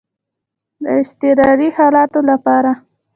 د اضطراري حالاتو لپاره.